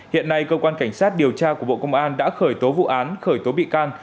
hiện nay cơ quan cảnh sát điều tra của bộ công an đã khởi tố vụ án khởi tố bị can